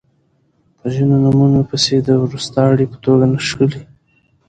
په ځینو نومونو پسې د وروستاړي په توګه نښلی